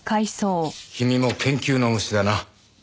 君も研究の虫だな。